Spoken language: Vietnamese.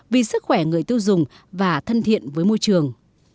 vì sức khỏe người tiêu dùng và thân thiện với môi trường